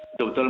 ya itu betul